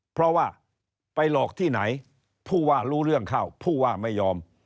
เพราะว่าไปหลอกที่ไหนผู้ว่ารู้เรื่องเข้าผู้ว่าไม่ยอม